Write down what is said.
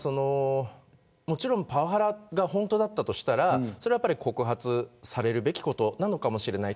パワハラが本当だったとしたらそれは告発されるべきことかもしれない。